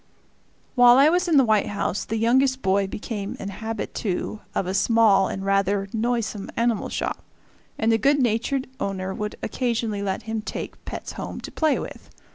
While I was in the White House the youngest boy became an habitue of a small and rather noisome animal shop, and the good natured owner would occasionally let him take pets home to play with.